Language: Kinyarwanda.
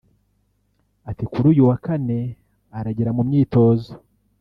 ati” kuri uyu wa Kane aragera mu myitozo